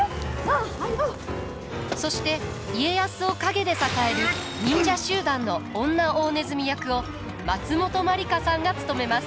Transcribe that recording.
そして家康を陰で支える忍者集団の女大鼠役を松本まりかさんが務めます。